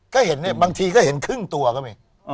ก็เห็นเนี่ยบางทีก็เห็นครึ่งตัวก็มี